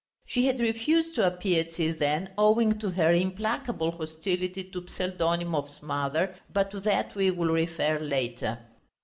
She had refused to appear till then owing to her implacable hostility to Pseldonimov's mother, but to that we will refer later.